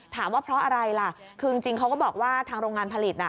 ถามว่าเพราะอะไรล่ะคือจริงเขาก็บอกว่าทางโรงงานผลิตน่ะ